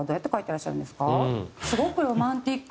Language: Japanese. すごくロマンチック。